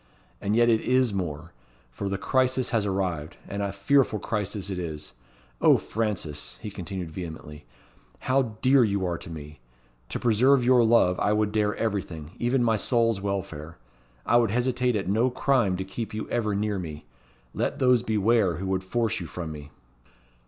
"And yet it is more; for the crisis has arrived, and a fearful crisis it is. O, Frances!" he continued vehemently, "how dear you are to me. To preserve your love I would dare everything, even my soul's welfare. I would hesitate at no crime to keep you ever near me. Let those beware who would force you from me."